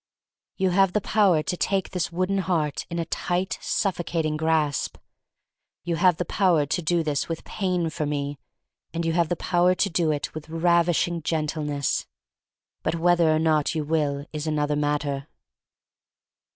You have the power to take this wooden heart in a tight, suffocating grasp. You have the power to do this with pain for me, and you have the power to do it with ravishing gentle ness. But whether or not you will is another matter.